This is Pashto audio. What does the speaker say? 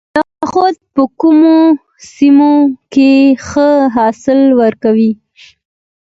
نخود په کومو سیمو کې ښه حاصل ورکوي؟